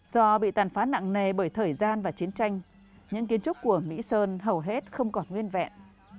do bị tàn phá nặng nề bởi thời gian và chiến tranh những kiến trúc của mỹ sơn hầu hết không còn nguyên vẹn